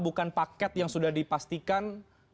bukan paket yang sudah dipastikan